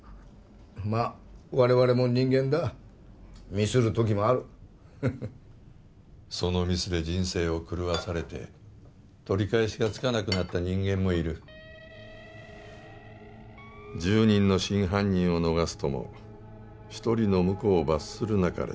まあ我々も人間だミスるときもあるそのミスで人生を狂わされて取り返しがつかなくなった人間もいる「十人の真犯人を逃すとも一人の無辜を罰するなかれ」